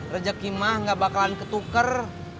rejekimah gak bakalan ketuker